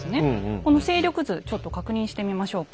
この勢力図ちょっと確認してみましょうか。